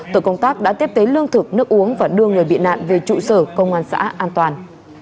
tội công tác đã tiếp tế lương thực nước uống và đưa người bị nạn về trụ sở công an xã an toàn